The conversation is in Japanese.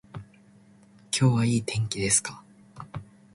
今日はいい天気ですか